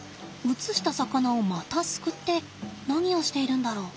移した魚をまたすくって何をしているんだろう。